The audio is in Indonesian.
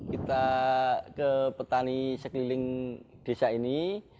kita ke petani sekeliling desa ini